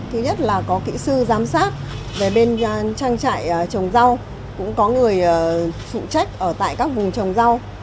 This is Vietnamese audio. thứ nhất là có kỹ sư giám sát về bên trang trại trồng rau cũng có người phụ trách ở tại các vùng trồng rau